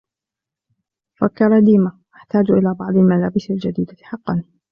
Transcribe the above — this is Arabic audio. فكر ديما: " أحتاج إلى بعض الملابس الجديدة حقا ".